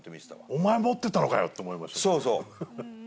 お前、持ってたのかよって思そうそう。